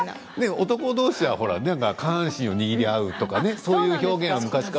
男同士は下半身を握り合うみたいなそういう表現は昔から。